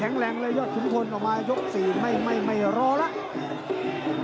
แข็งแรงเลยยอดทุ่มทนออกมายกสี่ไม่ไม่ไม่ไม่รอแล้ว